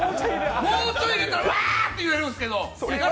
もうちょい入れたら、うわああああ！って言えるんですけど。